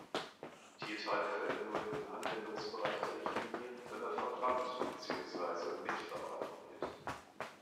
Tiertalg fällt nur in den Anwendungsbereich der Richtlinie, wenn er verbrannt beziehungsweise mitverbrannt wird.